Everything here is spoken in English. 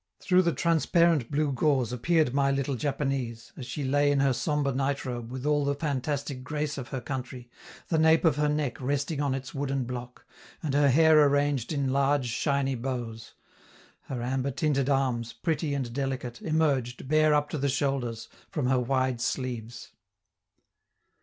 Through the transparent blue gauze appeared my little Japanese, as she lay in her sombre night robe with all the fantastic grace of her country, the nape of her neck resting on its wooden block, and her hair arranged in large, shiny bows. Her amber tinted arms, pretty and delicate, emerged, bare up to the shoulders, from her wide sleeves.